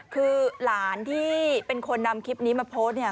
คือหลานที่เป็นคนนำคลิปนี้มาโพสต์เนี่ย